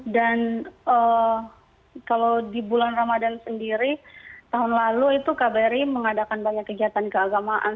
dan kalau di bulan ramadan sendiri tahun lalu itu kbri mengadakan banyak kegiatan keagamaan